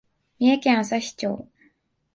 三重県朝日町